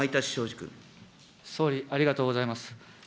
総理、ありがとうございます。